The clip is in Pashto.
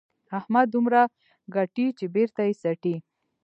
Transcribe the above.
احمد دومره ګټي چې بېرته یې څټي.